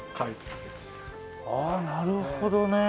ああなるほどね。